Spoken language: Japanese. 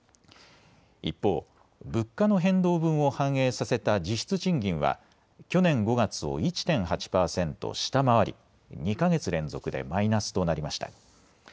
一方、物価の変動分を反映させた実質賃金は去年５月を１．８％下回り２か月連続でマイナスとなりました。